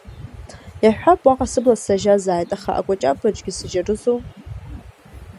Иаҳҳәап, уаҟа сыбла сажьазааит, аха, акәаҷаб аҿгьы сажьарызу?